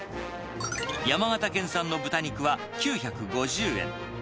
山形県産の豚肉は９５０円。